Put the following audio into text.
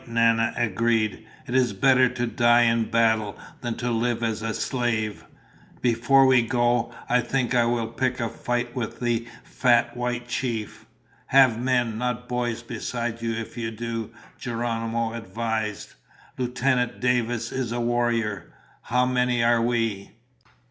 Nana agreed. "It is better to die in battle than to live as a slave! Before we go, I think that I will pick a fight with the fat white chief." "Have men, not boys, beside you if you do," Geronimo advised. "Lieutenant Davis is a warrior. How many are we?"